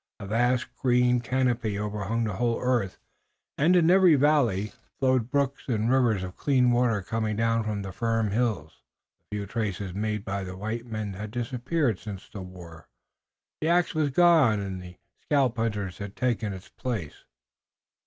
A vast green canopy overhung the whole earth, and in every valley flowed brooks and rivers of clean water coming down from the firm hills. The few traces made by the white man had disappeared since the war. The ax was gone, and the scalp hunters had taken its place.